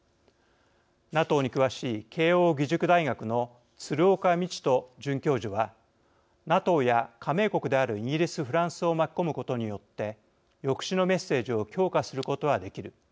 ＮＡＴＯに詳しい慶應義塾大学の鶴岡路人准教授は「ＮＡＴＯや加盟国であるイギリスフランスを巻き込むことによって抑止のメッセージを強化することはできる。